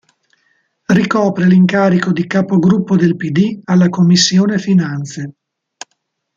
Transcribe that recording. Ricopre l'incarico di capogruppo del Pd alla commissione Finanze.